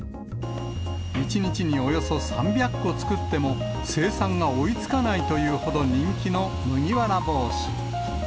１日におよそ３００個作っても、生産が追いつかないというほど人気の麦わら帽子。